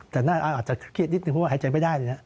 แต่นั่นอาจจะเครียดนิดหนึ่งเพราะว่าหายใจไม่ได้